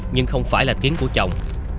nhưng không phải là tiếng của chồng